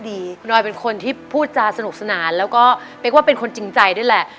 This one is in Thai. อเรนนี่ก็แบบหนูเป็นคนที่พูดจาสนุกสนานแล้วก็เป็นคนจริงใจด้วยแหละ